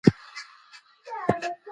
پېښور یو ډیر مهم ښار دی.